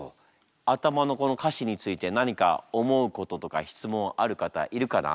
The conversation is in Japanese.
頭のこの歌詞について何か思うこととか質問ある方いるかな？